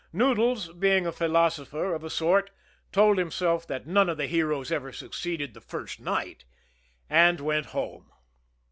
Noodles, being a philosopher of a sort, told himself that none of the heroes ever succeeded the first night and went home.